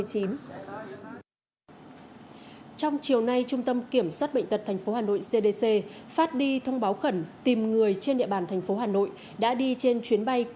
trong chiều nay trung tâm kiểm soát bệnh tật tp hcm phát đi thông báo khẩn tìm người trên địa bàn tp hcm đã đi trên chuyến bay qh hai trăm hai mươi bốn